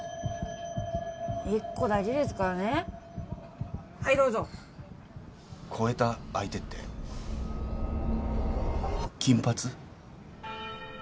１個だけですからねはいどうぞ越えた相手って金髪？